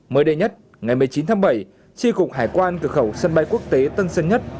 mới đây nhất ngày một mươi chín tháng bảy tri cục hải quan cửa khẩu sân bay quốc tế tân sơn nhất